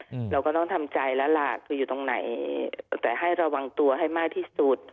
เราก็ต้องทำใจแล้วล่ะคืออยู่ตรงไหนแต่ให้ระวังตัวให้มากที่สุด